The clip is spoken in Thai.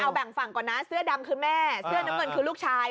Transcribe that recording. เอาแบ่งฝั่งก่อนนะเสื้อดำคือแม่เสื้อน้ำเงินคือลูกชาย